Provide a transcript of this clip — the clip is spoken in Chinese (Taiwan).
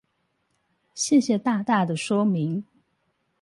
謝謝大大的說明